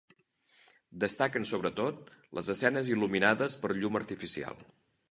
Destaquen sobretot les escenes il·luminades per llum artificial.